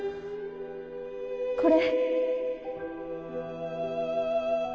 これ。